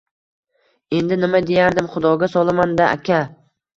Endi, nima deyardim, Xudoga solaman-da, aka.